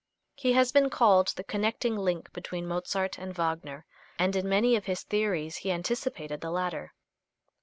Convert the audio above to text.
He has been called the connecting link between Mozart and Wagner, and in many of his theories he anticipated the latter.